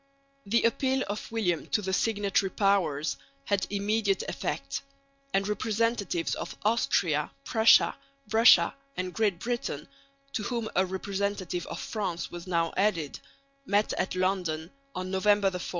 The appeal of William to the signatory Powers had immediate effect; and representatives of Austria, Prussia, Russia and Great Britain, to whom a representative of France was now added, met at London on November 4.